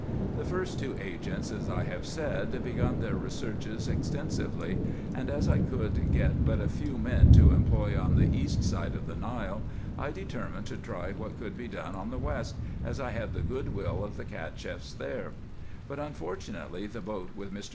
The first two agents, as I have said, begun their researches extensively ; and, as I could get but a few men to employ on the east side of the Nile, I determined to try what could be done on the west, as I had the good will of the Cacheffs there ; but unfor tunately the boat with Air.